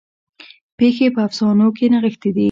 پیښې په افسانو کې نغښتې دي.